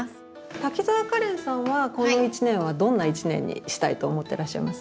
滝沢カレンさんはこの１年はどんな１年にしたいと思っていらっしゃいます？